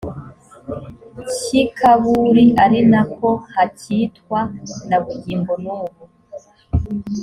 cy i kabuli ari na ko hacyitwa na bugingo n ubu